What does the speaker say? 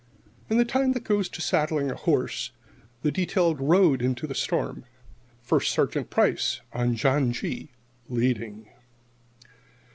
In the time that goes to saddling a horse, the detail rode into the storm, First Sergeant Price on John G., leading.